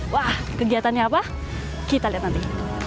wah kegiatannya apa kita lihat nanti